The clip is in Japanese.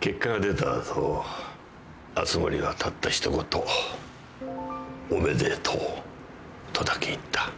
結果が出た後熱護はたった一言「おめでとう」とだけ言った。